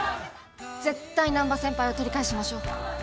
絶対難破先輩を取り返しましょう。